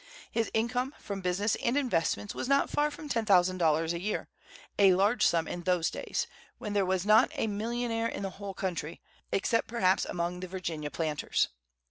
His income, from business and investments, was not far from ten thousand dollars a year, a large sum in those days, when there was not a millionaire in the whole country, except perhaps among the Virginia planters.